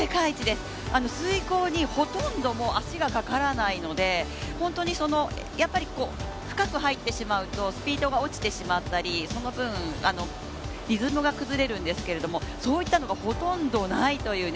水濠にほとんど足がかからないので本当に、やっぱり深く入ってしまうとスピードが落ちてしまったりその分、リズムが崩れるんですけどそういったのがほとんどないという。